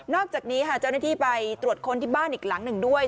อกจากนี้ค่ะเจ้าหน้าที่ไปตรวจค้นที่บ้านอีกหลังหนึ่งด้วย